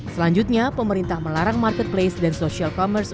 selanjutnya pemerintah melarang marketplace dan social commerce